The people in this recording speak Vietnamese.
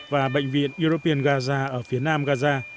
và bệnh viện european gaza ở phía nam gaza